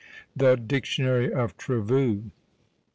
THE DICTIONARY OF TREVOUX.